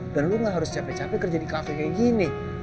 dan lo gak harus capek capek kerja di kakek kayak gini